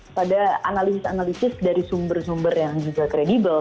pada analisis analisis dari sumber sumber yang juga kredibel